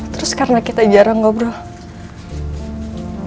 terus karena kita jarang ngobrol